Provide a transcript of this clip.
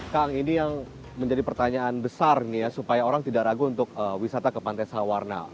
kang ini yang menjadi pertanyaan besar nih ya supaya orang tidak ragu untuk wisata ke pantai sawarna